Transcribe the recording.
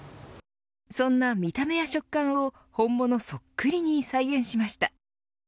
そんな見た目や食感を本物そっくりに再現しました。